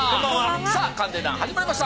さあ「鑑定団」始まりました。